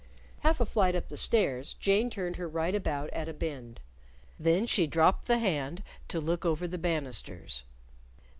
Half a flight up the stairs, Jane turned her right about at a bend. Then she dropped the hand to look over the banisters.